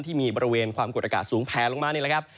ที่มีบริเวณความกดอากาศสูงแพลลงมานี่แหละครับ